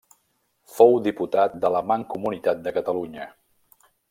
Fou diputat de la Mancomunitat de Catalunya.